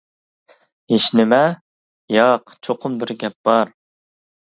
ھېچنېمە؟ ياق، چوقۇم بىر گەپ بار.